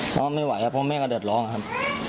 เพราะไม่ไหวครับเพราะแม่ก็เดือดร้อนครับ